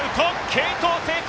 継投成功。